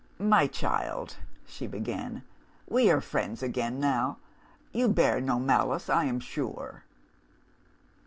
"'My child,' she began, 'we are friends again now. You bear no malice, I am sure.